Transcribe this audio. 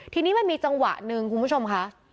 ทีนี้มันมีจังหวะหนึ่งคุณผู้ชมค่ะ